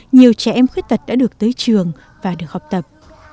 nhiều trẻ em khuyết tật đã được tới trường và được học tập